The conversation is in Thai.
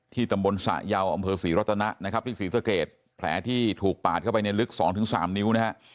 ที่ตำบลสะยาวอำเภอศรีรถนะที่ศรีสเกตแผลที่ถูกปาดเข้าไปในลึก๒๓นิ้ว